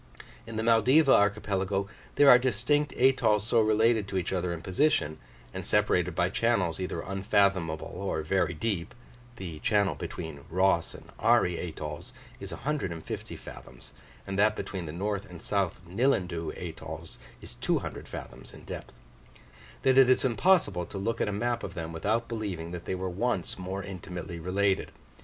In the Maldiva archipelago there are distinct atolls so related to each other in position, and separated by channels either unfathomable or very deep (the channel between Ross and Ari atolls is 150 fathoms, and that between the north and south Nillandoo atolls is 200 fathoms in depth), that it is impossible to look at a map of them without believing that they were once more intimately related.